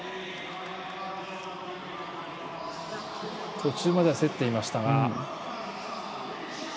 途中までは競っていましたが。